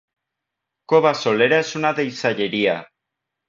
Cova Solera és una deixalleria.